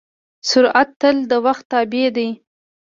سرعت تل د وخت تابع دی.